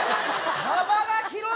幅が広い！